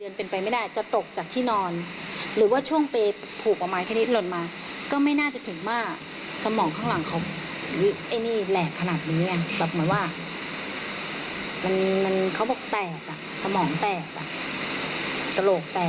ก็อาจจะตกจากที่สูงสูงบัตรที่ไม่ใช่เปร่